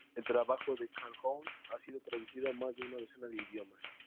El trabajo de Calhoun ha sido traducido a más de una docena de idiomas.